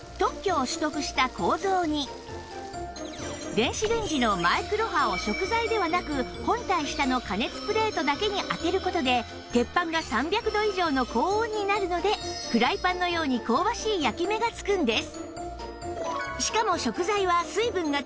電子レンジのマイクロ波を食材ではなく本体下の加熱プレートだけに当てる事で鉄板が３００度以上の高温になるのでフライパンのようにしかも続いてはああいい音してます。